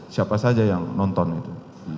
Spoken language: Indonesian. siapa saja yang nonton itu